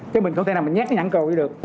cái mình không thể nào nhát cái nhãn cầu đi được